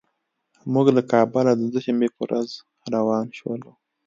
موږ له کابله د دوشنبې په ورځ روان شولو.